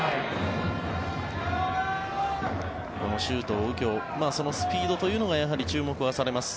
この周東佑京スピードというのがやはり注目はされます。